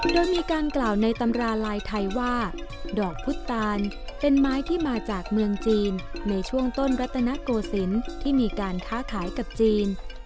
โดยมีการกล่าวในตำราลายไทยว่าดอกพุทธตานเป็นไม้ที่มาจากเมืองจีนในช่วงต้นรัตนโกศิลป์ที่มีการค้าขายกับจีน